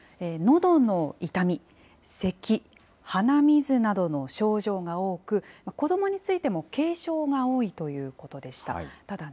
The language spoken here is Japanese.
のどの痛み、せき、鼻水などの症状が多く、子どもについても、軽症が多いということでした。